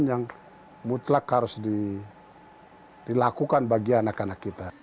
ini adalah hal yang harus dilakukan bagi anak anak kita